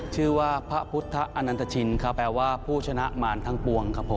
ชื่อว่าพระพุทธอนันตชินครับแปลว่าผู้ชนะมารทั้งปวงครับผม